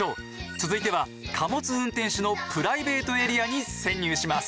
続いては貨物運転士のプライベートエリアに潜入します。